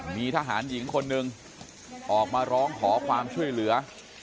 มีทหารหญิงคนหนึ่งออกมาร้องขอความช่วยเหลือ